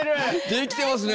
できてますね！